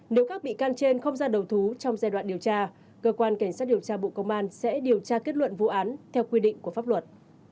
nếu các bị can trên không ra đầu thú trong giai đoạn điều tra cơ quan cảnh sát điều tra bộ công an sẽ điều tra kết luận vụ án theo quy định của pháp luật